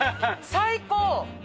最高！